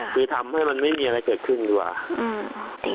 คือทำให้มันไม่มีอะไรเกิดขึ้นดีกว่า